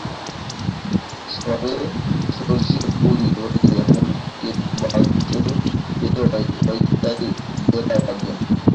সবে সরষে ফুল ধরেছে এমন খেতে বাক্স পেতে অস্থায়ী ডেরা বাঁধেন।